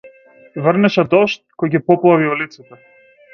Врнеше дожд кој ги поплави улиците.